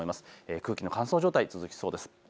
空気の乾燥状態、続きそうです。